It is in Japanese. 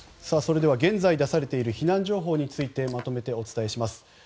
現在出されている避難情報についてまとめてお伝えします。